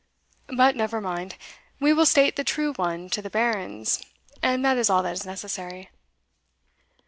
But never mind we will state the true one to the Barons, and that is all that is necessary."